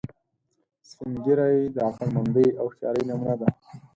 سپین ږیری د عقلمندۍ او هوښیارۍ نمونه دي